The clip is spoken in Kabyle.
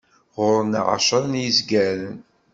Ɣur-neɣ εecra n yizgaren.